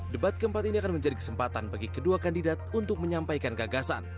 debat keempat ini akan menjadi kesempatan bagi kedua kandidat untuk menyampaikan gagasan